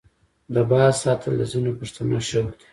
د باز ساتل د ځینو پښتنو شوق دی.